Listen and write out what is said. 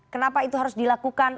kenapa itu harus dilakukan